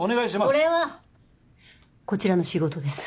これはこちらの仕事です。